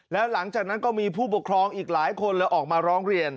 แล้วหลังจากนั้นก็มีผู้ปกครองอีกหลายคนเลยออกมาร้องเรียน